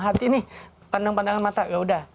hati nih pandang pandangan mata ya udah